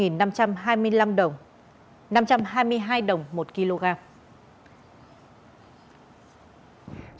trong khi đó thì giá xăng ron chín mươi năm giảm một mươi hai năm trăm hai mươi năm đồng một lit dầu ma rút là một mươi năm đồng một lit